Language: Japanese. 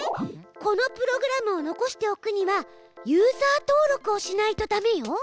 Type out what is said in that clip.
このプログラムを残しておくにはユーザー登録をしないとダメよ。